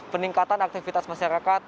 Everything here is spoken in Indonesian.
peningkatan aktivitas masyarakat